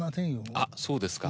あっそうですか。